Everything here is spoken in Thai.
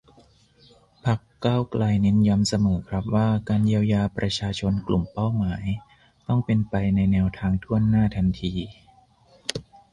พรรค ก้าวไกล เน้นย้ำเสมอครับว่า การเยียวยาประชาชนกลุ่มเป้าหมาย ต้องเป็นไปในแนวทาง ถ้วนหน้า ทันที